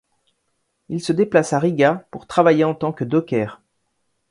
Il se déplace à Riga pour travailler en tant que docker.